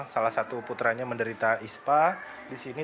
salah satu putranya menderita ispa di sini